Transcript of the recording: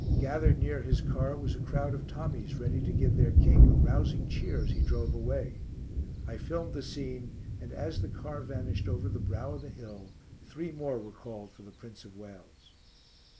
Gathered near his car was a crowd of Tommies, ready to give their King a rousing cheer as he drove away. I filmed the scene, and as the car vanished over the brow of the hill, three more were called for the Prince of Wales.